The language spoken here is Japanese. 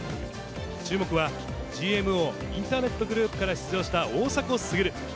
注目は、ＧＭＯインターネットグループから出場した大迫傑。